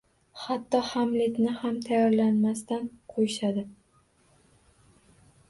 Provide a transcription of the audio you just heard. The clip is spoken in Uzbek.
Hatto Hamletni ham tayyorlanmasdan qo’yishadi.